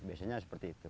biasanya seperti itu